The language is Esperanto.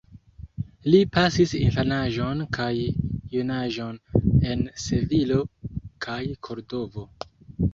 Li pasis infanaĝon kaj junaĝon en Sevilo kaj Kordovo.